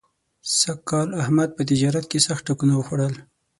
سږ کال احمد په تجارت کې سخت ټکونه وخوړل.